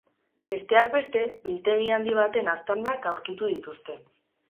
Besteak beste, biltegi handi baten aztarnak aurkitu dituzte.